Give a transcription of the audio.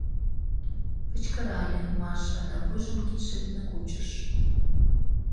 — кычкырале Маша да вуйжым кидше дене кучыш.